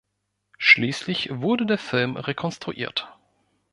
Schließlich wurde der Film rekonstruiert.